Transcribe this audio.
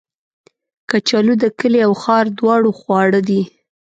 کچالو د کلي او ښار دواړو خواړه دي